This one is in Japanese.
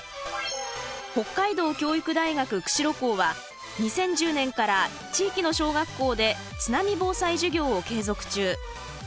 北海道教育大学釧路校は２０１０年から地域の小学校で津波防災授業を継続中。